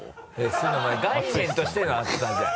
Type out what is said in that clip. そんなお前概念としての熱さじゃん！